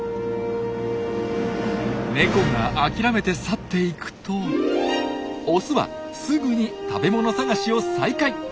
ネコがあきらめて去っていくとオスはすぐに食べ物探しを再開。